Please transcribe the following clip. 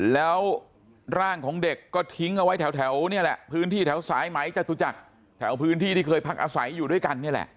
แล้วร่างของเด็กก็ทิ้งเอาไว้แถวนี่แหละพื้นที่แถวสายไหมจตุจักรแถวพื้นที่ที่เคยพักอาศัยอยู่ด้วยกันนี่แหละ